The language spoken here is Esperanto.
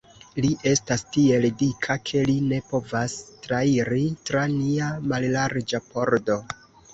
Li estas tiel dika, ke li ne povas trairi tra nia mallarĝa pordo.